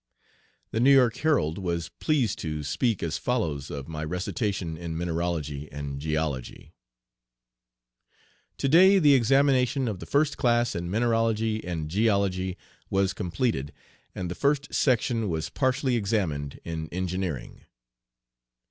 The New York Herald was pleased to speak as follows of my recitation in mineralogy and geology: "To day the examination of the first class in mineralogy and geology was completed, and the first section was partially examined in engineering.